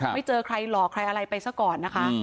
ไม่เจอใครหลอกใครอะไรไปซะก่อนนะคะ